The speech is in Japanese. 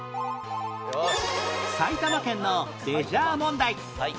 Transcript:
埼玉県のレジャー問題